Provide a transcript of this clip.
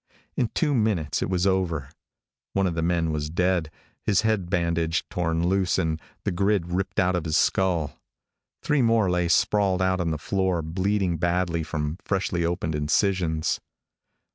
In two minutes it was over. One of the men was dead, his head bandage torn loose, and the grid ripped out of his skull. Three more lay sprawled out on the floor, bleeding badly from freshly opened incisions.